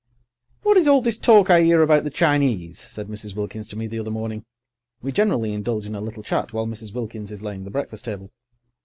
"WHAT is all this talk I 'ear about the Chinese?" said Mrs. Wilkins to me the other morning. We generally indulge in a little chat while Mrs. Wilkins is laying the breakfast table.